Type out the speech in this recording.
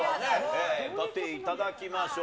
歌っていただきましょう。